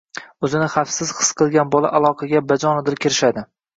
O‘zini xavfsiz his qilgan bola aloqaga bajonidil kirishadi.